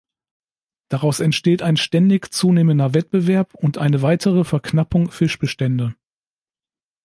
Daraus entsteht ein ständig zunehmender Wettbewerb und eine weitere Verknappung Fischbestände.